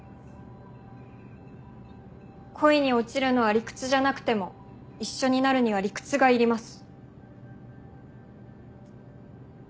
恋に落ちるのは理屈じゃなくても一緒になるには理屈がいります。